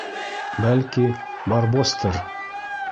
Бәлки, Барбосты-ыр.